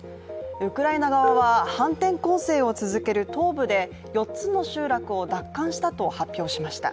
ウクライナ側は反転攻勢を続ける東部で４つの集落を奪還したと発表しました。